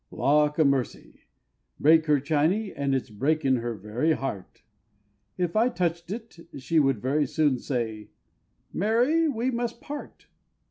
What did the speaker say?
Lawk a mercy! break her Chiney, and it's breaking her very heart; If I touched it, she would very soon say, "Mary, we must part."